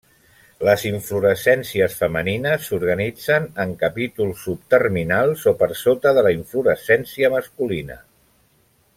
Les inflorescències femenines s'organitzen en capítols subterminals o per sota de la inflorescència masculina.